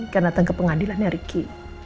karena datang ke pengadilan ricky